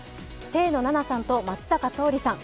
清野菜名さんと松坂桃李さん。